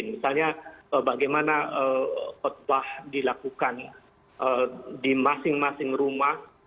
misalnya bagaimana khutbah dilakukan di masing masing rumah